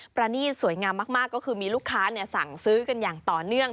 ประนีตสวยงามมากก็คือมีลูกค้าสั่งซื้อกันอย่างต่อเนื่อง